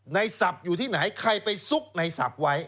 ศัพท์อยู่ที่ไหนใครไปซุกในศัพท์ไว้